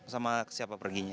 sama siapa perginya